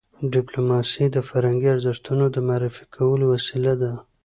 ډيپلوماسي د فرهنګي ارزښتونو د معرفي کولو وسیله ده.